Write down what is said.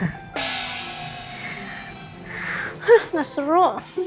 hah gak seru